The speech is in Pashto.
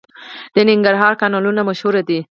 د ننګرهار کانالونه مشهور دي.